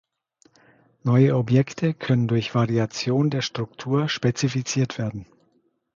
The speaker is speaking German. Neue Objekte können durch Variation der Struktur spezifiziert werden.